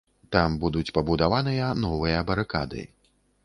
Там будуць пабудаваныя новыя барыкады.